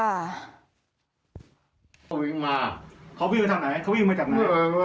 นะฮะเขาถือปืนมาหรือยังไง